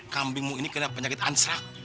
kambingmu ini kena penyakit ansrak